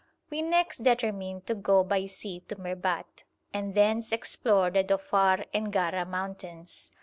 We next determined to go by sea to Merbat, and thence explore the Dhofar and Gara mountains.